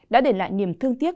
đã để lại niềm thương tiếc